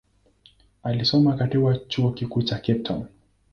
Alisoma katika chuo kikuu cha Cape Town.